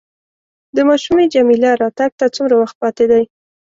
د ماشومې جميله راتګ ته څومره وخت پاتې دی؟